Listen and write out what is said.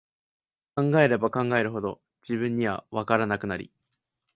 考えれば考えるほど、自分には、わからなくなり、